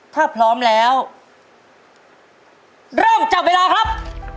ถ้าพร้อมแล้วเริ่มจับเวลาครับ